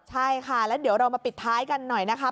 ใช่ค่ะแล้วเดี๋ยวเรามาปิดท้ายกันหน่อยนะคะ